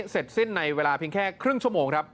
เสร็จสิ้นในเวลาเพียงแค่ครึ่งชั่วโมงครับ